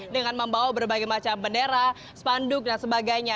dengan membawa berbagai macam bendera spanduk dan sebagainya